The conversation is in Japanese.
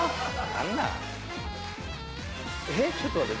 何なん⁉ちょっと待って。